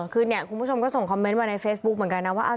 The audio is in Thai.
คือเนี่ยคุณผู้ชมก็ส่งคอมเมนต์มาในเฟซบุ๊คเหมือนกันนะว่า